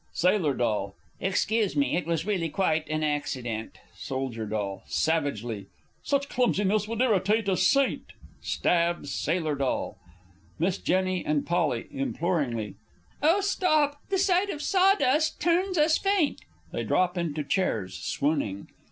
Sail. D. Excuse me, it was really quite an accident. Sold. D. (savagely). Such clumsiness would irritate a saint! [Stabs Sailor Doll. Miss J. and P. (imploringly). Oh, stop! the sight of sawdust turns us faint! [_They drop into chairs, swooning.